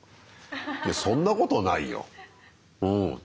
いやそんなことないようん。